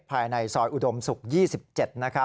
ภายในซอยอุดมศุกร์๒๗